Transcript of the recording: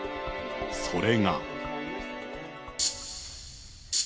それが。